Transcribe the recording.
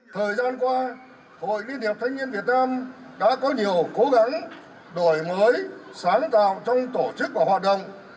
thanh niên việt nam đã có nhiều cố gắng đổi mới sáng tạo trong tổ chức và hoạt động